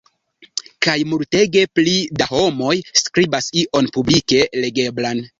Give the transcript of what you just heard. Kaj multege pli da homoj skribas ion publike legeblan.